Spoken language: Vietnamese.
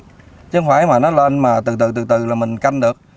chứ không phải mà nó lên mà từ từ từ từ là mình canh được